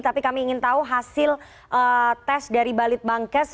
tapi kami ingin tahu hasil tes dari balit bankes